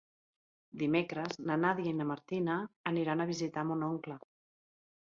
Dimecres na Nàdia i na Martina aniran a visitar mon oncle.